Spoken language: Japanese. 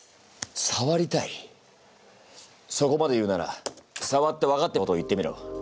さわりたいそこまで言うならさわって分かったことを言ってみろ。